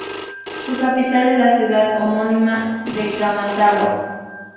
Su capital es la ciudad homónima de Camatagua.